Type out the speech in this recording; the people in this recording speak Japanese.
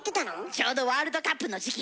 ちょうどワールドカップの時期。